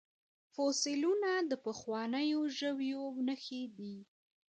فوسیلیونه د پخوانیو ژویو نښې دي